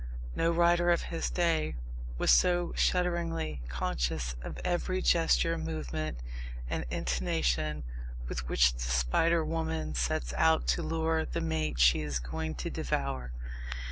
No writer of his day was so shudderingly conscious of every gesture, movement, and intonation with which the spider woman sets out to lure the mate she is going to devour.